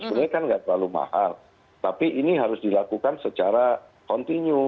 sebenarnya kan nggak terlalu mahal tapi ini harus dilakukan secara kontinu